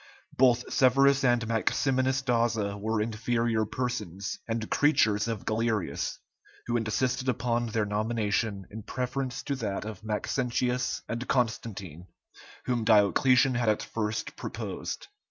Both Severus and Maximinus Daza were inferior persons, and creatures of Galerius, who insisted upon their nomination in preference to that of Maxentius and Constantine, whom Diocletian had at first proposed.